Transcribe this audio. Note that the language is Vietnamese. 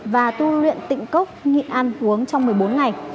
và tu luyện tịnh cốc nhịn ăn uống trong một mươi bốn ngày